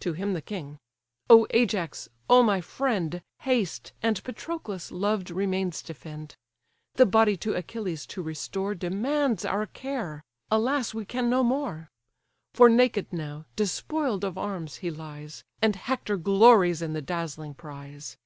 To him the king: "Oh Ajax, oh my friend! Haste, and Patroclus' loved remains defend: The body to Achilles to restore Demands our care; alas, we can no more! For naked now, despoiled of arms, he lies; And Hector glories in the dazzling prize."